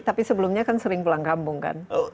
tapi sebelumnya kan sering pulang kampung kan